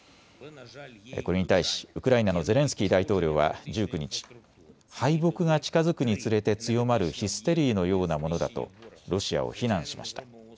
これに対しウクライナのゼレンスキー大統領は１９日、敗北が近づくにつれて強まるヒステリーのようなものだとロシアを非難しました。